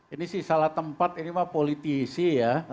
ini sih salah tempat ini mah politisi ya